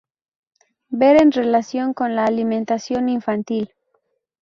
Ver en relación con la alimentación infantil.